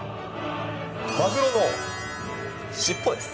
マグロの尻尾です。